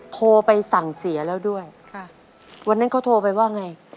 โทรไปสั่งเสียแล้วด้วยค่ะวันนั้นเขาโทรไปว่าไง